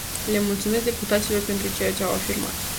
Le mulțumesc deputaților pentru ceea ce au afirmat.